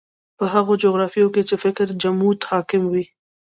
په هغو جغرافیو کې چې فکري جمود حاکم وي.